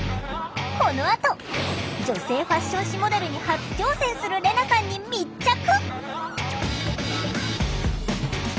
このあと女性ファッション誌モデルに初挑戦するレナさんに密着！